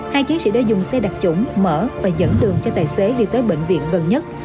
hai chiến sĩ đã dùng xe đặc trủng mở và dẫn đường cho tài xế đi tới bệnh viện gần nhất